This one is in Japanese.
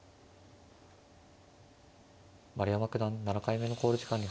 丸山九段７回目の考慮時間に入りました。